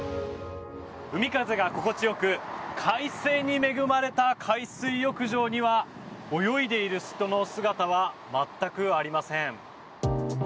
海風が心地よく快晴に恵まれた海水浴場には泳いでいる人の姿は全くありません。